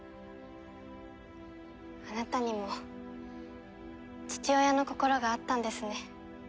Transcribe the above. あなたにも父親の心があったんですね。